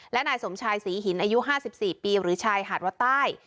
และนายสมชายศรีหินอายุ๕๔ปีหรือชายหาดวัดใต้